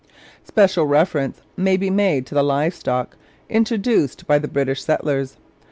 ' Special reference must be made to the live stock introduced by the British settlers.